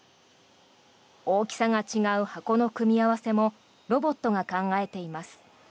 大きさが違う箱の組み合わせもロボットが考えています。